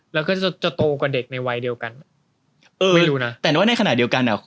แล้วก็จะจะโตกว่าเด็กในวัยเดียวกันเออไม่รู้นะแต่ว่าในขณะเดียวกันอ่ะ